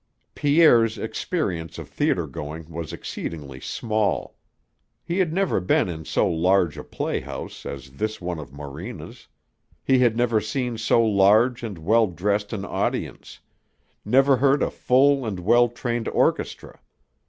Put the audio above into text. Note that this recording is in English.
Pierre's experience of theater going was exceedingly small. He had never been in so large a play house as this one of Morena's; he had never seen so large and well dressed an audience; never heard a full and well trained orchestra.